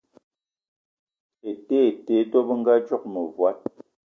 Ete ete te, dò bëngadzoge mëvòd